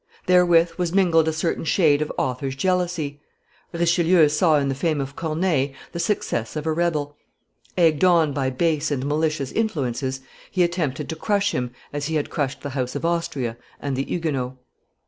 Therewith was mingled a certain shade of author's jealousy. Richelieu saw in the fame of Corneille the success of a rebel. Egged on by base and malicious influences, he attempted to crush him as he had crushed the house of Austria and the Huguenots.